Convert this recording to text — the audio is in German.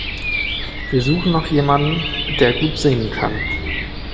Wir suchen noch jemanden, der gut singen kann.